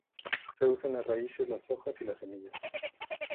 Se usan las raíces, las hojas y las semillas.